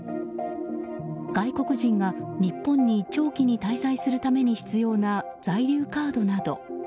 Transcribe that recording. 外国人が日本に長期に滞在するために必要な在留カードなど。